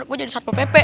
gua jadi satpepe